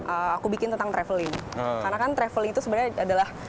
aku bikin tentang traveling karena kan traveling itu sebenarnya adalah